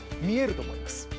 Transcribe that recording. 見えると思います。